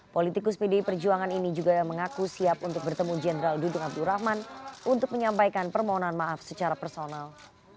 politikus pdi perjuangan ini juga mengaku siap untuk bertemu jenderal dudung abdurrahman untuk menyampaikan permohonan maaf secara personal